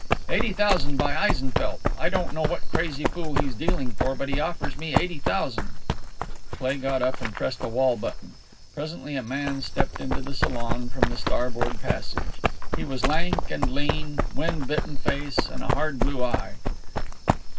"Eighty thousand by Eisenfeldt. I don't know what crazy fool he's dealing for, but he offers me eighty thousand." Cleigh got up and pressed a wall button. Presently a man stepped into the salon from the starboard passage. He was lank, with a lean, wind bitten face and a hard blue eye.